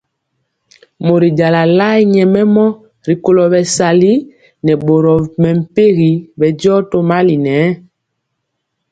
Mori jala lae nyɛmemɔ rikolo bɛsali nɛ boro mɛmpegi bɛndiɔ tomali nɛ.